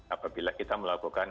apabila kita melakukan